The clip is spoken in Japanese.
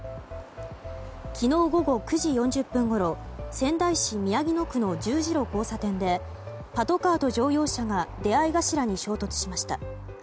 昨日午後９時４０分ごろ仙台市宮城野区の十字路交差点でパトカーと乗用車が出会い頭に衝突しました。